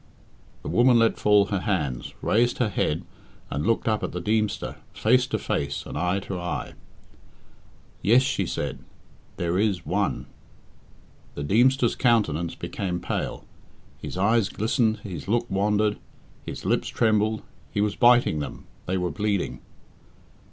The woman let fall her hands, raised her head, and looked up at the Deemster, face to face and eye to eye. "Yes," she said, "there is one." The Deemster's countenance became pale, his eyes glistened, his look wandered, his lips trembled he was biting them, they were bleeding.